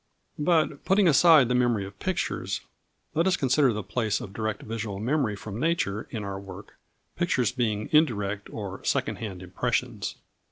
But, putting aside the memory of pictures, let us consider the place of direct visual memory from nature in our work, pictures being indirect or second hand impressions.